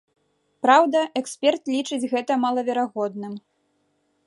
Праўда, эксперт лічыць гэта малаверагодным.